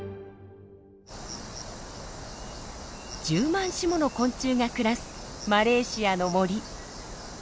１０万種もの昆虫が暮らすマレーシアの森。